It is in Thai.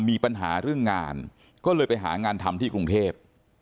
มีปัญหาเรื่องงานก็เลยไปหางานทำที่กรุงเทพ